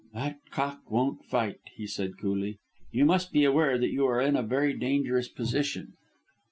"That cock won't fight," he said coolly. "You must be aware that you are in a very dangerous position."